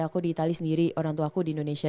aku di itali sendiri orangtuaku di indonesia